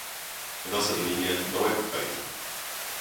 A nossa marinha não é perfeita.